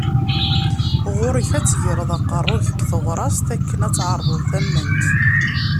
Ɣur-k ad tegreḍ aqerru-k deg teɣrast akken ad tεerḍeḍ tament.